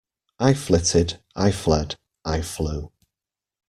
I flitted, I fled, I flew.